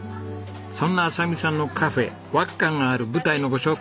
そんな亜沙美さんのカフェわっかがある舞台のご紹介